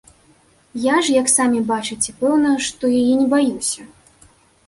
Я ж, як самі бачыце, пэўна што яе не баюся.